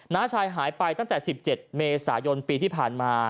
้าชายหายไปตั้งแต่๑๗เมษายนปีที่ผ่านมา